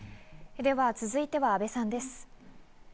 では続いては阿部さんです。